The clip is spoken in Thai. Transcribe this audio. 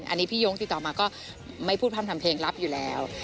อันนี้พี่โยงติดต่อมาก็ไม่พูดพร่ำทำเพลงรับอยู่แล้ว